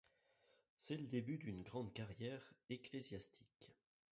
C'est le début d'une grande carrière ecclésiastique.